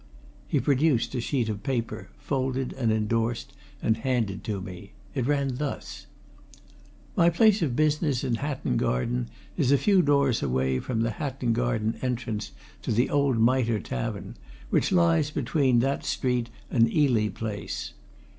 He produced a sheet of paper, folded and endorsed and handed it to me it ran thus: My place of business in Hatton Garden is a few doors away from the Hatton Garden entrance to the old Mitre Tavern, which lies between that street and Ely Place.